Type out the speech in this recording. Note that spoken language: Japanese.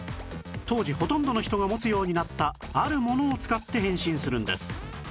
当時ほとんどの人が持つようになったあるものを使って変身するんです